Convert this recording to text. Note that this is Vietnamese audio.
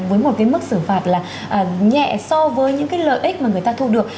với một cái mức xử phạt là nhẹ so với những cái lợi ích mà người ta thu được